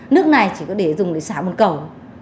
nước này chỉ có thể dùng để xả một cầu